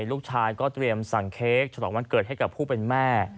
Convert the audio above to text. ลูกชายก็เตรียมสั่งเค้กฉลองวันเกิดให้กับผู้เป็นแม่